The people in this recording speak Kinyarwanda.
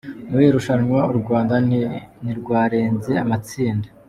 Muri iri rushanwa u Rwanda ntirwarenze amatsinda.